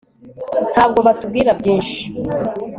ntabwo batubwira byinshi